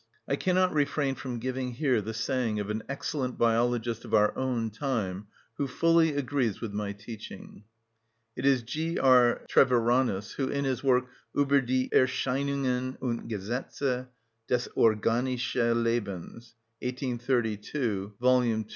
I cannot refrain from giving here the saying of an excellent biologist of our own time who fully agrees with my teaching. It is G. R. Treviranus, who, in his work, "Ueber die Erscheinungen und Gesetze des organischen Lebens," 1832, Bd. 2, Abth.